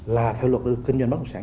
là theo luật kinh doanh bất động sản